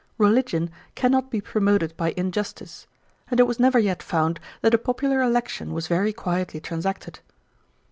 Religion cannot be promoted by injustice: and it was never yet found that a popular election was very quietly transacted.